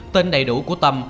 tên đầy đủ của tâm